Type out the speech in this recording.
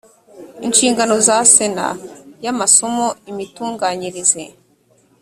inshingano za sena y amasomo imitunganyirize